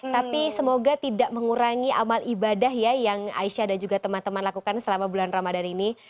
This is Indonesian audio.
tapi semoga tidak mengurangi amal ibadah ya yang aisyah dan juga teman teman lakukan selama bulan ramadan ini